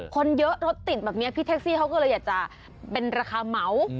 คนเยอะรถติดแบบนี้พี่แท็กซี่เขาก็เลยอยากจะเป็นราคาเหมา